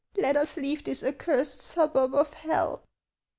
let us leave this accursed suburb of hell!"